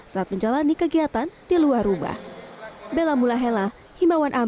saat menjalani kegiatan di luar rumah